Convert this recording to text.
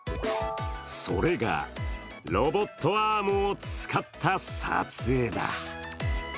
それがロボットアームを使った撮影だ。